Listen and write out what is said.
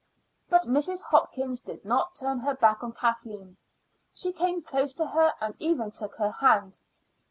But Mrs. Hopkins did not turn her back on Kathleen; she came close to her, and even took her hand.